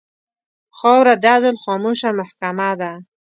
خاوره د عدل خاموشه محکمـه ده.